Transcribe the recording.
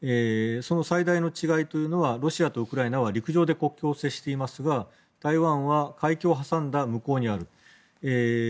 その最大の違いというのはロシアとウクライナは陸路で国境を接していますが台湾は海峡を挟んだ向こうにある。